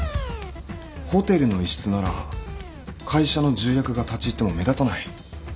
ホテルの一室なら会社の重役が立ち入っても目立たない。